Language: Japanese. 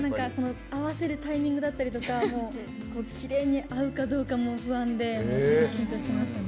合わせるタイミングだったりとかきれいに合うかどうかも不安で緊張してましたね。